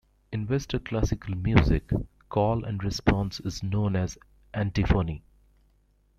In Western classical music, call and response is known as antiphony.